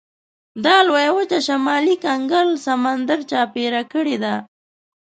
دا لویه وچه شمالي کنګل سمندر چاپېره کړې ده.